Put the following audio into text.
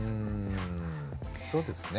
うんそうですね。